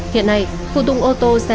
hiện nay phụ tùng ô tô sẽ được cập xoay